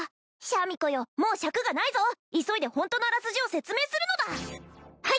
シャミ子よもう尺がないぞ急いでホントのあらすじを説明するのだ尺とは！？